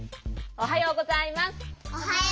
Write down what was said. おはようございます。